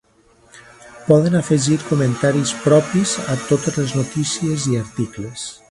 Poden afegir comentaris propis a totes les notícies i articles.